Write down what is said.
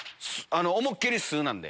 思いっ切り酢なんで。